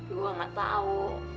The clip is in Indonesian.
saya tidak tahu